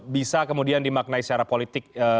bisa kemudian dimaknai secara politik